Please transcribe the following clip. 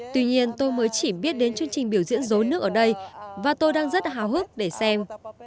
tuy nhiên tôi mới chỉ biết đến chương trình biểu diễn rối nước ở đây và tôi đang rất hào hức để xem